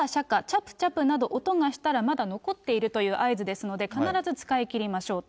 ぷちゃぷなど音がしたら、まだ残っているという合図ですので、必ず使い切りましょうと。